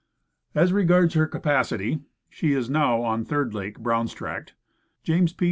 As regards her capacity (she is now on Third Lake, Brown's Tract), James P.